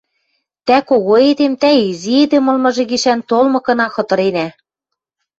Тӓ кого эдем, тӓ изи эдем ылмыжы гишӓн толмыкына хытыренӓ...